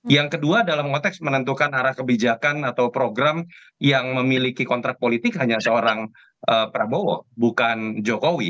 yang kedua dalam konteks menentukan arah kebijakan atau program yang memiliki kontrak politik hanya seorang prabowo bukan jokowi